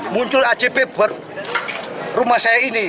muncul ajp buat rumah saya ini